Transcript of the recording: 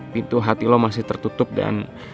pintu hati lo masih tertutup dan